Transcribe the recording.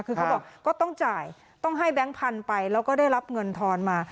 คือเขาบอกก็ต้องจ่ายต้องให้แบงค์พันธุ์ไปแล้วก็ได้รับเงินทอนมา